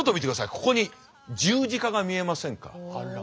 ここに十字架が見えませんか？